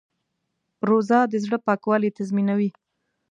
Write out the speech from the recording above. روژه د زړه پاکوالی تضمینوي.